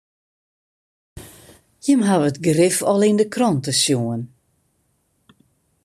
Jimme hawwe it grif al yn de krante sjoen.